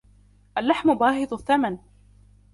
اللحم باهظ الثمن.